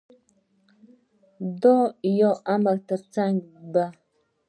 د ياد امر تر څنګ ب